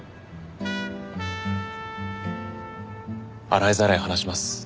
洗いざらい話します。